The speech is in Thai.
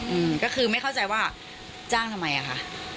อืมก็คือไม่เข้าใจว่าจ้างทำไมอ่ะค่ะ